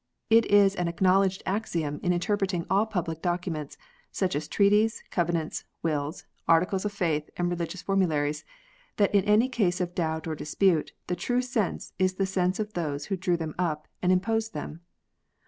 It is an acknowledged axiom in interpreting all public documents, such as treaties, covenants, wills, articles of faith, and religious formularies, that in any case of doubt or dispute the true sense is the sense of those who drew them up and imposed them.